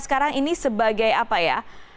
sekarang ini sebagai apa ya